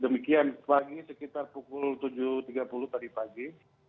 demikian pagi sekitar pukul tujuh tiga puluh tadi pagi